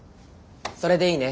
それでいいね。